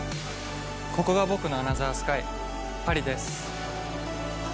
ここが僕のアナザースカイパリです。